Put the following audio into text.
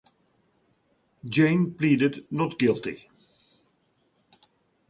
Jain pleaded not guilty.